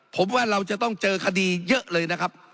ผมว่าเราจะต้องเจอคดีเยอะเลยนะครับ